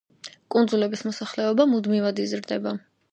კუნძულების მოსახლეობა მუდმივად იზრდება.